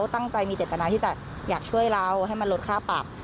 บัญชามันค่อยจะช่วยเราและลดค่าปรับ